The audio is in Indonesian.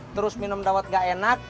terus minum dawet gak enak